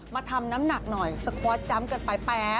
ทำน้ำหนักหน่อยสคอตจำกันไปแป๊บ